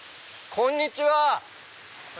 こんにちは。